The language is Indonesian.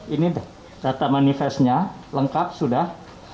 ini data manifestnya lengkap sudah